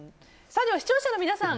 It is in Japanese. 視聴者の皆さん